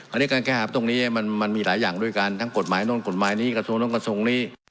อันนี้การแก้หาตรงนี้มันมีหลายอย่างด้วยกันทั้งกฎหมายนู่นกฎหมายนี้กระทรวงนู้นกระทรวงนี้